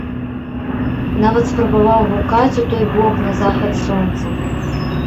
Нават спрабаваў гукаць у той бок на захад сонца.